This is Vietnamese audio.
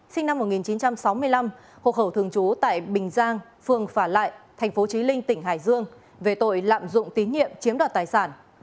sinh năm một nghìn chín trăm sáu mươi năm hộ khẩu thường trú tại bình giang phường phả lại tp trí linh tỉnh hải dương về tội lạm dụng tín nhiệm chiếm đoạt tài sản